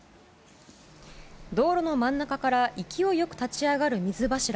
道路の真ん中から勢いよく立ち上がる水柱。